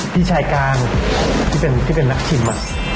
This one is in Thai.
พี่ชายกลางที่เป็นนักชิม